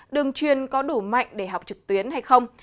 đường truyền có đủ mạnh để học trực tuyến hay không